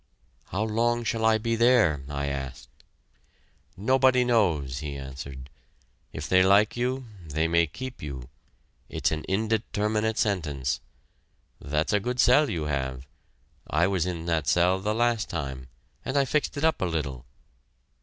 "How long shall I be there?" I asked. "Nobody knows," he answered. "If they like you, they may keep you! It's an indeterminate sentence.... That's a good cell you have. I was in that cell the last time, and I fixed it up a little."